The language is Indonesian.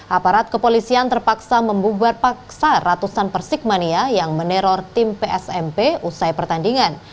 aparat kepolisian terpaksa membubar paksa ratusan persikmania yang meneror tim psmp usai pertandingan